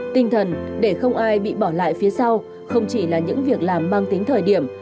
tinh thần để không ai bị bỏ lại phía sau không chỉ là những việc làm mang tính thời điểm